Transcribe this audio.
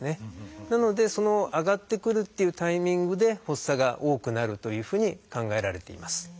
なのでその上がってくるっていうタイミングで発作が多くなるというふうに考えられています。